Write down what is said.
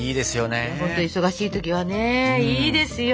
忙しい時はねいいですよ。